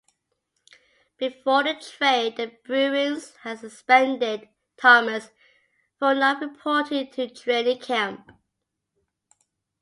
Before the trade, the Bruins had suspended Thomas for not reporting to training camp.